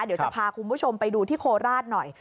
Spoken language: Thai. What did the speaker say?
เดี๋ยวจะพาคุณผู้ชมไปดูที่โคราชหน่อย